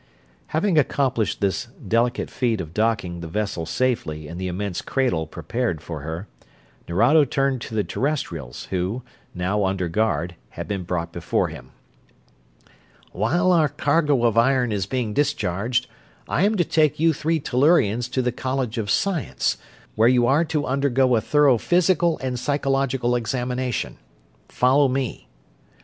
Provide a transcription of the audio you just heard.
Having accomplished this delicate feat of docking the vessel safely in the immense cradle prepared for her, Nerado turned to the Terrestrials, who, now under guard, had been brought before him. "While our cargo of iron is being discharged, I am to take you three Tellurians to the College of Science, where you are to undergo a thorough physical and psychological examination. Follow me."